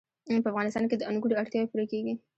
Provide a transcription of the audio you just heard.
په افغانستان کې د انګورو اړتیاوې پوره کېږي.